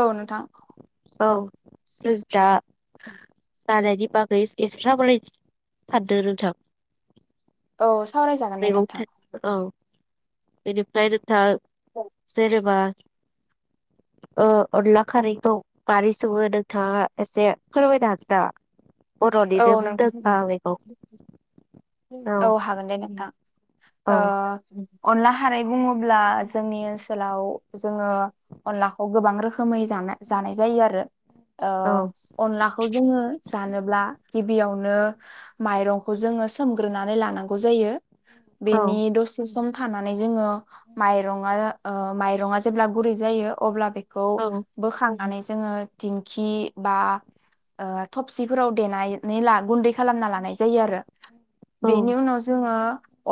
औ नोंथां औ [unintelligible] [unintelligible] जानायनि बागै एसे सावरायनो सानदो नोंथां औ सावरायजागोन दे मैगं नोंथां थाइगं औ बेनिफ्राय दा जेनोबा ओ अनला खारैखौ मारै सङो नोंथाङा एसे फोरमायनो हागोन नामा औ बर'निनो नोंथां मुंदांखा मैगं औ हागोन दे नोंथां औ ओ अनला खारै बुङोब्ला जोंनि ओनसोलाव जोङो अनलाखौ गोबां रोखोम रोखोमै जानाय जानाय जायो आरो औ अनलाखौ जोङो जानोब्ला गिबियावनो माइरंखौ जोङो सोम ग्रोनानै लानांगौ जायो औ बेनि दसे सम थानानै जोङो माइरङा ओ माइ रङा जेब्ला गुरै जायो अब्ला बेखौ औ बोखांनानै नानै जोङो दिंखि बा थबसिफोराव देनाय नै ला गुनदैखौ खालामना लानाय जायो आरो औ बेनि उनाव जोङो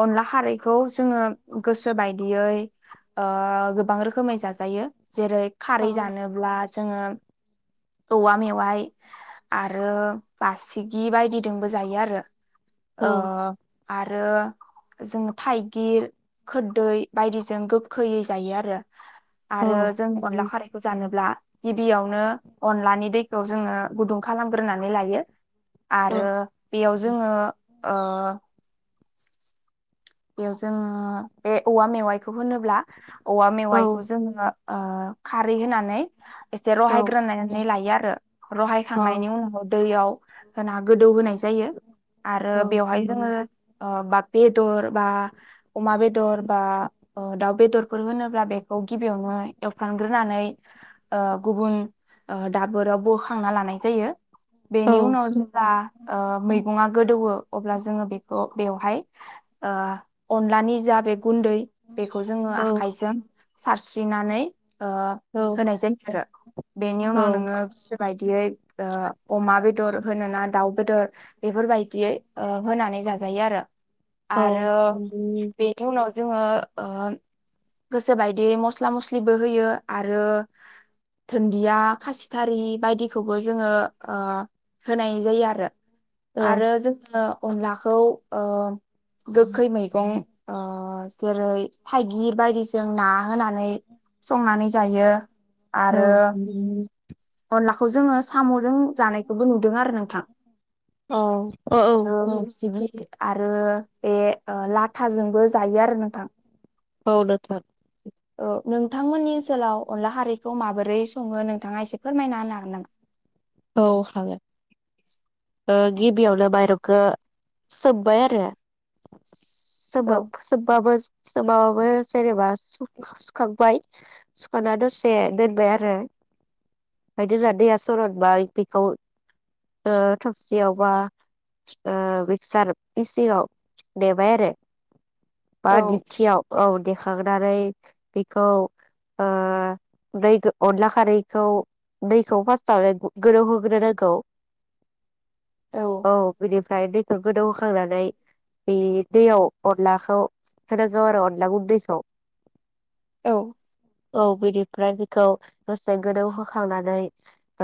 अनला खारै खौ जोङो गोसो बायदियै ओ गोबां रोखोमै जाजायो जेरै खारै जानोब्ला जोङो औवा मेवाइ आ आरो बासिगि बायदिजोंबो जायो आरो औ ओ आरो जों थाइगिर खोरदै बायदिजों गोखैजों जायो आरो औ आरो जों अनला खारैखौ जानोब्ला गिबियावनो दैखौ जोङो गुदुं खालामग्रोनानै लायो आरो बेयाव जोङो ओ [inaudible] बेयाव जोङो बे औवा मेवाइखौ होनोब्ला औवा औ मेवाइखौ जोङो ओ खारै होनानै एसे रहायग्रोनानै लायो आरो रहाय औ खांनायनि उनाव दैयाव होना गोदौ होनाय जायो आरो बेवहाय जोङो ओ बा बेदर मा अमा मा बेदर बा ओ दाउ बेदरफोर होनोब्ला बेखौ गिबियावनो एवफ्रामग्रोनानै ओ गुबुन ओ दाबोराव बोखांना लानाय जायो बेनि उनाव जोंना ओ मै गङा गोदौवो अब्ला जोङो बेखौ बेवहाय ओ अनलानि जा बे गुन्दै बेखौ जोङो आखाइजों सारस्रिनानै ओ होनाय जायो आरो बेनि उनाव नोङो गोसो बायदियै ओ अमा बेदर होनोना दाउ बेदर बेफोरबायदियै ओ होनानै जाजायो आरो औ आरो बेनि उनाव जोङो ओ गोसो बायदि मस्ला मस्लिबो होयो आरो दुन्दिया खासिथारि बायदि खौबो जोङो ओ होनाय जायो आरो औ आरो जोङो अनलाखौ ओ गोखै मैगं ओ जेरै थाइ गिर बायदिजों ना होनानै संनानै जायो औ आरो अनलाखौ जोङो साम'जों जानायखौबो नुदों आरो नोंथां औ जिबि आरो बे लाथाजोंबो जायो आरो नोंथां औ नोंथां औ नोंथांमोननि ओनसोलाव अनला खारैखौ माबोरै सङो नोंथाङा एसे फोरमायना होनो हागोन‌ नामा औ हागोन ओ औ गिबियावनो मायरंखो सोबबाय आरो सोबाब सोबबाबो सोमाबाबो जेनेबा सुख सुखांबाय सुखाना दसे दोनबाय आरो फाय दोनना दैया सरदबाय बेखौ ओ थबसियाव बा ओ मिक्सार मिसिंआव देबाय आरो बा औ दिपथियाव औ देखांनानै बिखौ ओ दै अनला खारैखौ दैखौ फार्स्ट आवनो गु गोरौ होग्रो नांगौ औ बिदि ओमफ्राय दैखौ गोदौ होखांनानै बे दैयाव अनलाखौ होनांगौ आरो अनला गुन्दैखौ औ औ बिनिफ्राय बेखौ बेसे गोदौ होखांनानै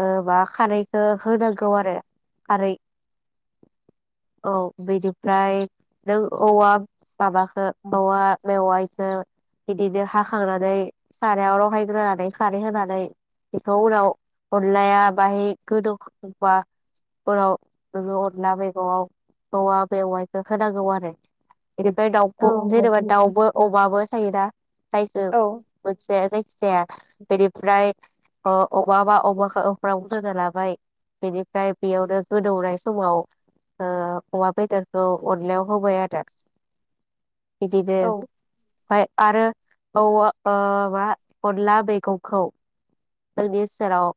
ओ मा खारैखौ होनांगौ आरो खारै औ बिनिफ्राय नों औवा माबाखो औवा मेवायखो बिदिनो हाखांनानै सारायाव रहायग्रोनानै खारै होनानै बेखौ उनाव अनलाया बाहाय गोदोबाफोराव अरला बेगरआव औवा बेवायखौ होनांगौ आरो बिनिफ्राय औ दाउखौ जेनेबा दाउबो अमाबो थायो दा थायखो‌ औ मोनसे जाय जाया बेनिफ्राय ओ अबावबा अमाखौ बाव दोना लाबाय बेनिफ्राय बेयावनो गोदौनाय समाव ओ अमा बेदरखौ अनलायाव होबाय आरो बिदिनो औ ओमफाय आरो औवा ओ मा अनला मेगंखौ जोंनि सेराव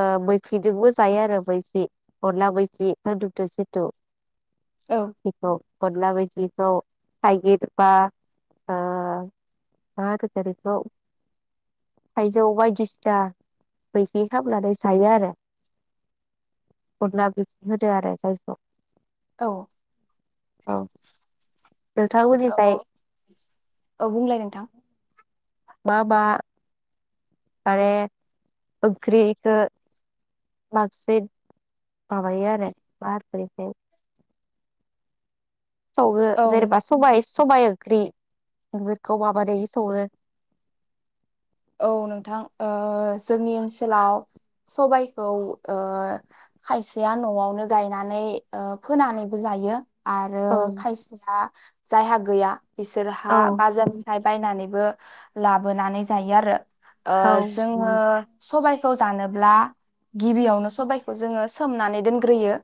ओ मैफ्रिजोंबो जायो आरो मैफ्रि अनला मैफ्रि खदुदो जथु बेखौ। अनला मैखौ थाइगिर बा ओ मा होनगोन इखौ थाइजौ बायदिसिना मैखि खामनानै थायो आरो अदला बि होदो आरो जायखौ औ औ औ औ औ बुंलाय नोंथां मा मा माने ओंख्रिखौ बांसिन माबायो आरो मा होनो इखौ सावो औ जेनेबा सबाय सबाय ओंख्रि बेफोरखौ माबादि सङो? औ नोंथां ओ जोंनि ओनसोलाव सबायखौ ओ खायसेया न'आवनो गायनानै ओ फोनानैबो जायो। आरो औ खायसेया जायहा गैया औ बिसोरहा बाजारनिफ्राय बायनानैबो लाबोनानै जायो आरो ओ औ जोङो सबायखौ जानो ब्ला गिबियावनो सबायखौ जोङो सोमनानै दोनग्रोयो।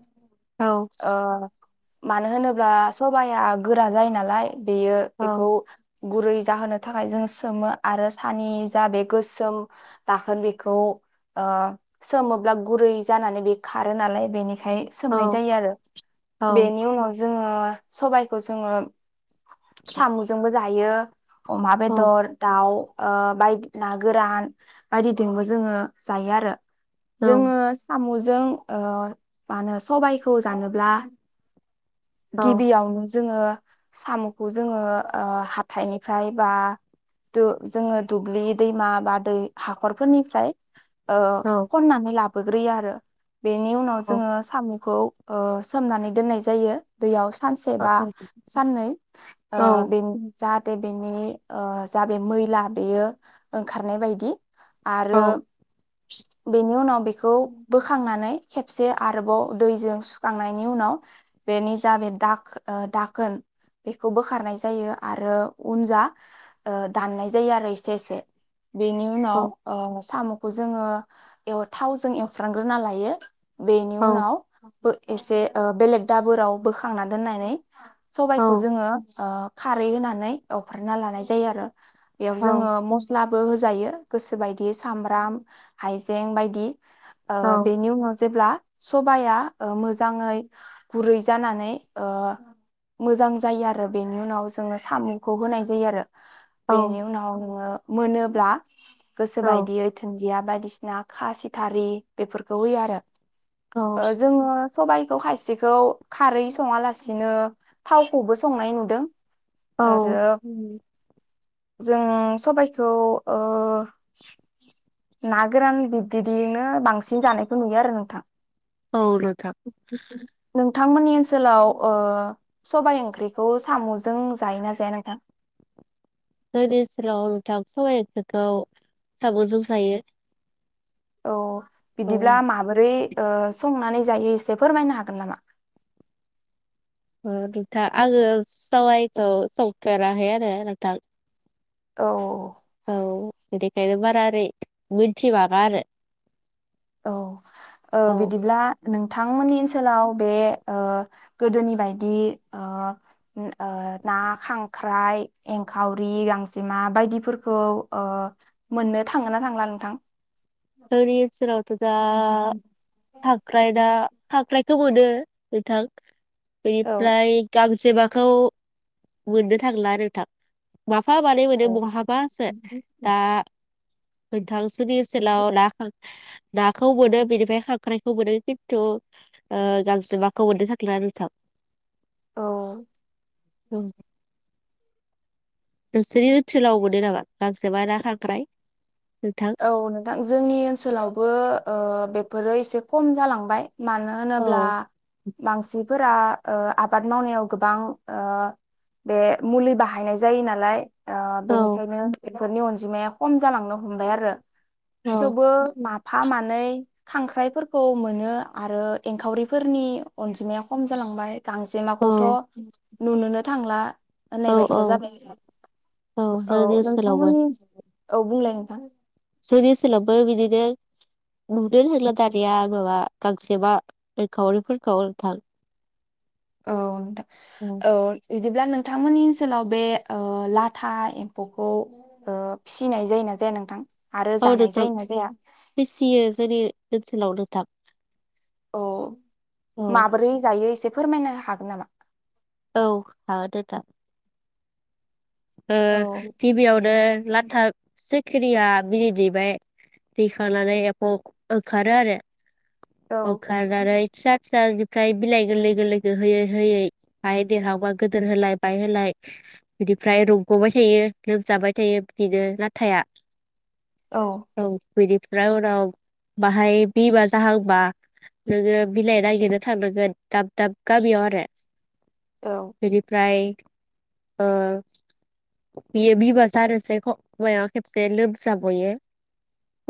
औ ओ मानो होनोब्ला सबाया गोरा जायो नालाय बेयो बेखौ औ गुरै जाहोनो थाखाय जों सोमो आरो सानि जा बे गोसोम दाखोन बेखौ ओ सोमोब्ला गुरै जानानै बे खारो नालाय बेनि खाय सोनाय जायो आरो औ बेनि उनाव जोङो सबायखौ जोङो साम'जोंबो जायो अमा औ बेदर दाउ ओ बाय ना गोरान बायदिदोंबो जोङो जायो आरो औ जोङो साम' जों ओ मा होनो सबायखौ जानोब्ला गिबियावनो जोङो साम'खौ जोङो ओ हाथाइनिफ्राय बा दु जोङो दुब्लि दैमा बा दै हाखरफोरनिफ्राय ओ औ खननानै ला बोग्रोयो आरो बेनि उनाव जोङो साम'खौ ओ सोमनानै दोननाय जायो दैयाव सानसे बा साननै ओ बेनि जा बेनि औ जा मै ला बेयो ओंखारनाय बायदि औ आरो बेनि उनाव बेखौ बोखांनानै खेबसे आरोबाव दैजों सुखांनायनि उनाव बेनि जा बे दा दाखोन बेखौ बोखारनाय जायो आरो उन जा ओ दाननाय जायो आरो एसे एसे बेनि उनाव औ औ ओ साम' खौ जोङो एव थावजों एवफ्रांग्रोना लायो बेनि उनाव बो एसे ओ बेलेग दाबोराव बोखांना दोननानै सबायाइखौ जोङो ओ खारै होनानै एवफ्रामना लानाय जायो आरो बेयाव जोङो मस्ला बो होजायो गोसो बायदि सामब्राम हाइजें बायदि ओ बेनि उनाव जेब्ला सबाया ओ मोजाङै गुरै जानानै ओ मोजां जायो आरो बेनि उनाव जोङो साम'खौ होनाय जायो आरो औ बेनि उनाव मोनोब्ला गोसो बायदियै दुन दिया बायदिसिना खासिथारि बेफोरखौ होयो आरो ओ जोङो सबाइखौ खायसिखौ खारै सङा लासिनो थावखौबो संनाय नुदों आरो उम जों सबायखौ ओ ना गोरान बिबदियैनो बांसिन जानायखौ नुयो आरो नोंथां औ नोंथां नोंथांमोननि ओनसोलाव ओ सबाइ ओंख्रिखौ साम'जों जायो ना जाया नोंथां जोंनि ओनसोलाव नोंथां सबाइ ओंख्रिखौ साम'जों जायो औ औ बिदिब्ला माबोरै ओ संनानै जायो एसे फोरमायनो हागोन नामा नोंथां आङो सावाइखौ संफेराखै आरो नोंथां औ औ बेनिखायनो बारा ओरै मिथि बाङा आरो औ ओ औ बिदिब्ला नोंथांमोननि ओनसोलाव बे ओ गोदोनि बायदि ओ ओ ना खांख्राइ एंखावरि गांजेमा बायदिफोरखौ ओ मोननो थाङो ना थांला नोंथां जोंनि ओनसोलाव दा खांख्राय ना खांख्राइखौ मोनो नोंथां औ बेनिफ्राय गां जेबाखौ मोननो थांला नोंथां मा फा मानै मोनो औ बहाबासो दा [unintelligible] लाव ना-नाखौ मोनो बेनिफ्राय खांख्राइखौ मोनो खिन्थु ओ गांजेमाखौ मोननो थांला आरो नोंथां औ औ नोंसोरनि ओनसोलाव मोनो नामा गांजेमा ना खांख्राय औ नोंथां जोंनि ओनसोलावबो ओ बेफोरो एसे खम जालांबाय मानो औ होनोब्ला मानसिफोरा ओ आबाद मावनायाव गोबां ओ बे मुलि बाहायनाय जायो नालाय ओ औ बेनिखायनो बेफोरनि अनजिमाया खम जालांनो हम बाय आरो औ थेवबो माफा मान नै खांख्राइफोरखौ मोनो आरो एंखावरिफोरनि अनजिमाया खम जालांबाय गांजेमाखौथ' नुनोनो थांला औ औ ओनायबायसा जाबाय जोंहा औ जोंनि ओनसोलावबो नोंथांमोननि औ बुंलाय नोंथां जोंनि ओनलावबो बिदिनो नुदों होनला दानिया माबा गांसेबा एंखाउरिफोरखौ नोंथां औ नोंथां औ बिदिब्ला नोंथांमोननि ओनसोलाव बे ओ लाथा एम्फौखौ ओ फिसिनाय जायोना जाया नोंथां? आरो औ जानाय नोंथां जायोना जाया फिसियो जोंनि ओनसोलाव नोंथां अ औ माब्रै जायो एसे फोरमायनो हागोन नामा? औ हागोन नोंथां ओ औ गिबियावनो ला था सिखिरिया बिदै दैबाय दैखांनानै एम्फौ ओंखारो आरो औ ओंखारनानै फिसा फिसा फ्राय बिलाइ गोरलै गोरलै होयै होयै बाहाय देरहाबा गोदोर होलाय बाय होलाय बिदि ओमफ्राय रुग'बाय थायो लोमजाबाय थायो बिदिनो लाथाया औ बिनिफ्राय उनाव बाहाय बिमा जाहांबा नोङो बिलाइ नागिरनो थांनांगोन दाब दाब गामियाव आरो औ बिनि फ्राय अ बियो बिबा जानोसै मायाव खेबसे लोमजाबयो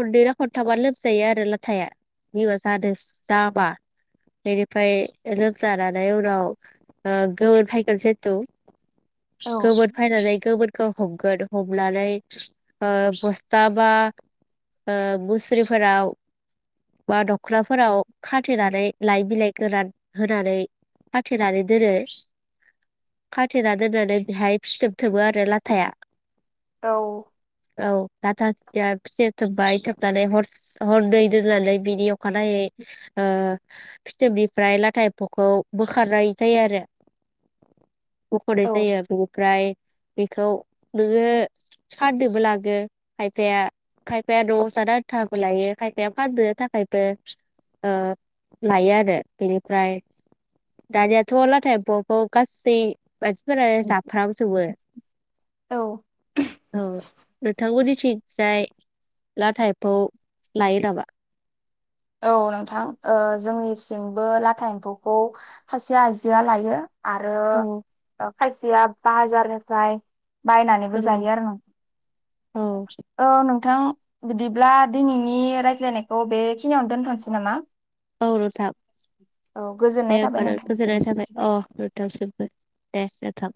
खननैना खनथाबा लोमजायो आरो लाथाया बिबा जानो जाबा बेनिफ्राय लोमजानानै उनाव गोमोन फायगोन जिहथु औ। गोमोनखौ हमगोन हमनानै ओ बस्था बा मुस्रिफोराव बा दख्नाफोराव खाथेनानै लाइ बिलाइ गोरान होनानै खाथेनानै दोनो खाथेनानै दोननानै बेहाय फिथोब थोबो आरो लाथाया औ औ लाथाया फिथोब थोबबाय थोबनानै हर हरनै दोननानै बिनि अखा अखा नायै ओ फिथोबनिफ्राय लाथा एम्फौखौ बोखारनाय जायो आरो ब'खनाय औ जायो। ओमफ्राय बेखौ नोङो फाननोबो लाङो खायफाया खायफाया न'आव जानो आनथाबो लायो खायफाया फाननो थाखायबो लायो आरो बेनिफ्राय दानियाथ' लाथा एम्फौआबो गासै मानसिफोरानो जा फ्राम जौवो औ औ नोंथां मोननि थिं थिंजाय लाथा एमफौ लायो नामा औ नोंथां ओ जोंनिथिंबो लाथा एमफौखौ खासे आइजोआ लायो आरो औ खायसिया बाहाजारनिफ्राय बायनानैबो औ जायो आरो नं औ औ नं नोंथां बिदिब्ला दिनैनि रायज्लायनायखौ बे खिनियावनो दोनथनोसै नामा औ नोथां औ गोजोननाय दे थाबाय होमबा नोंथां गोजोननाय नोंथांनिसिम। थाबाय अ नोंथांनिसिमबो दे नोंथां